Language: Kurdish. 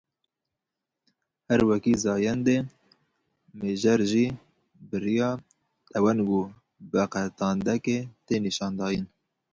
Her wekî zayendê, mêjer jî bi riya tewang û veqetandekê tê nîşandayîn